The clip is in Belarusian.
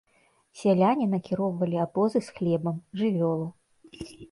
Сяляне накіроўвалі абозы з хлебам, жывёлу.